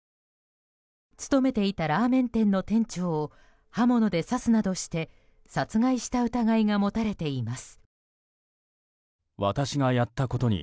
勤めていたラーメン店の店長を刃物で刺すなどして殺害した疑いが持たれています。